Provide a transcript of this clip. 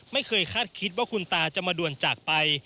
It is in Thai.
ไม่เคยคาดคิดว่าคุณตาจะมาด่วนจากไป